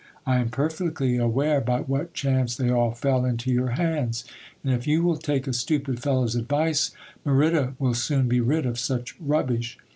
I am perfectly aware by what chance they all fell into your hands ; and if you will take a stupid fellow's advice, Merida will soon be rid of such rubbish.